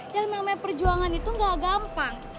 yang namanya perjuangan itu gak gampang